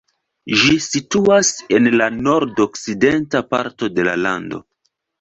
Ĝi situas en la nordokcidenta parto de la lando.